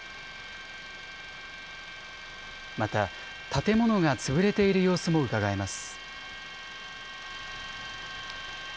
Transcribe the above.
また建物が潰れている様子もうかがえます。